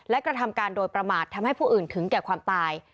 และกระทำการโดยประมาททำให้ผู้อื่นถึงแก่ความตาย